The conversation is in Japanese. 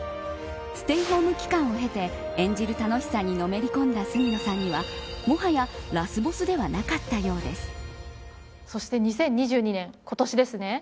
ステイホーム期間を経て演じる楽しさにのめり込んだ杉野さんにはもはや、ラスボスではなかったようです。